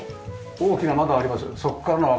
大きな窓あります。